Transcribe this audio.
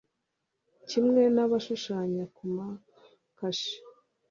kimwe n'abashushanya ku makashe